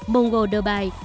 mông cổ the bike